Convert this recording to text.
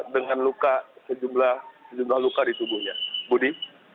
dengan luka sejumlah luka di tubuhnya budi